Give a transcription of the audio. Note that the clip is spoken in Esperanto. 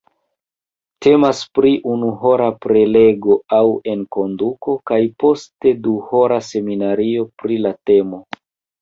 Temas pri unuhora prelego aŭ enkonduko kaj poste duhora seminario pri la temo.